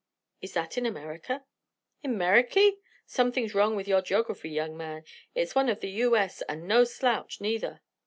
"Is that in America?" "In Meriky? Something's wrong with your geography, young man. It's one of the U. S. and no slouch, neither."